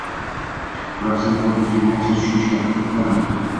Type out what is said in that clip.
biroq seni qo‘ldan kelgancha tushunishga harakat qilaman?”